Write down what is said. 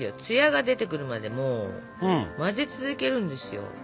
ツヤが出てくるまでもう混ぜ続けるんですよ。